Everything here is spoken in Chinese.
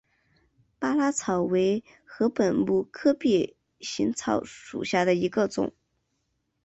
巴拉草为禾本科臂形草属下的一个种。